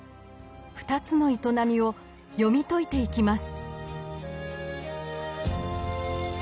２つの営みを読み解いていきます。